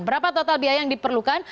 berapa total biaya yang diperlukan